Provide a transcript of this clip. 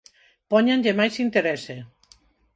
Póñanlle máis interese.